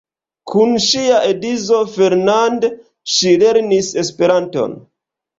Kun ŝia edzo Fernand ŝi lernis Esperanton.